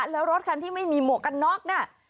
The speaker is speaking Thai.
แล้วรถคันที่ไม่มีหมวกกันน็อกน่ะ